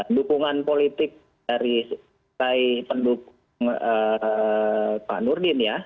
dukungan politik dari pendukung pak nurdin ya